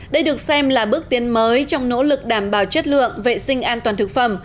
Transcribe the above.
đây được xem là bước tiến mới trong nỗ lực đảm bảo chất lượng vệ sinh an toàn thực phẩm